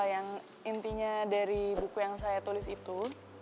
yang intinya dari buku yang saya tulis itu